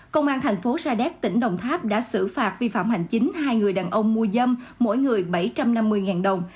công an thành phố sa đéc tỉnh đồng tháp đã xử phạt vi phạm hành chính hai người đàn ông mua dâm mỗi người bảy trăm năm mươi đồng